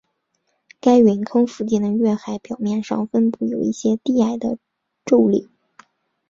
该陨坑附近的月海表面上分布有一些低矮的皱岭。